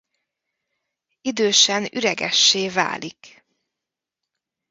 Idősen üregessé válik.